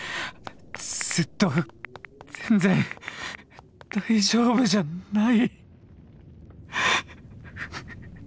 ずっと全然大丈夫じゃない！